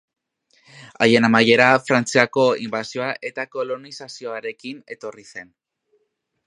Haien amaiera Frantziako inbasioa eta kolonizazioarekin etorri zen.